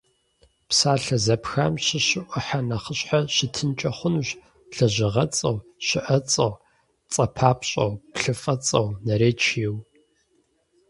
Псалъэ зэпхам щыщу ӏыхьэ нэхъыщхьэр щытынкӏэ хъунущ лэжьыгъэцӏэу, щыӏэцӏэу, цӏэпапщӏэу, плъыфэцӏэу, наречиеу.